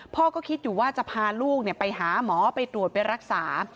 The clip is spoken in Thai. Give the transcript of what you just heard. พ่อก็คิดอยู่ว่าจะพาลูกไปหาหมอไปตรวจไปรักษา